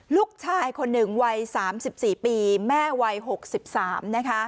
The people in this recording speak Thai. ลูกชายคนหนึ่งวัย๓๔ปีแม่วัย๖๓นะคะ